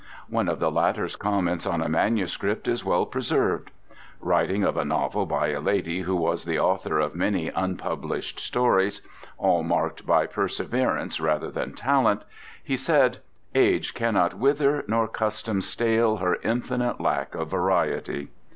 One of the latter's comments on a manuscript is still preserved. Writing of a novel by a lady who was the author of many unpublished stories, all marked by perseverance rather than talent, he said, "Age cannot wither nor custom stale her infinite lack of variety."